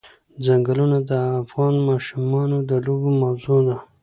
ځنګلونه د افغان ماشومانو د لوبو موضوع ده.